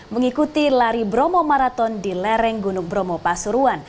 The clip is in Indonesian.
mengikuti lari bromo maraton di lereng gunung bromo pasuruan